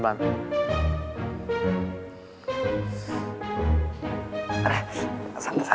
terluka kamu makin parah